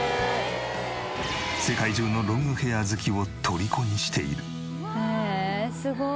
世界中のロングヘア好きを虜にしている。